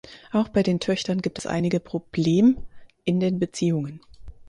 Auch bei den Töchtern gibt es einige Problem in den Beziehungen.